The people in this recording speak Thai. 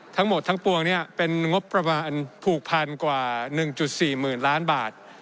ทั้งหมดทั้งปวงเนี่ยเป็นงบประมาณผูกพันกว่าหนึ่งจุดสี่หมื่นล้านบาท